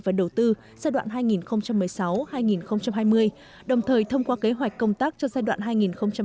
và đầu tư giai đoạn hai nghìn một mươi sáu hai nghìn hai mươi đồng thời thông qua kế hoạch công tác cho giai đoạn hai nghìn hai mươi một hai nghìn hai mươi năm